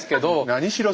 何しろ